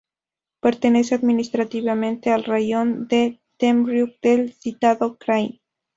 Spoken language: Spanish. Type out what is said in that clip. Pertenece administrativamente al raión de Temriuk del citado krai.